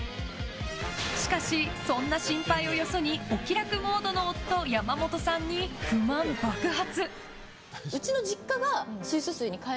しかし、そんな心配をよそにお気楽モードの夫山本さんに不満爆発。